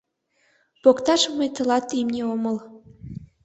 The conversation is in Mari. — Покташ мый тылат имне омыл.